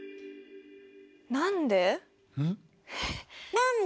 なんで？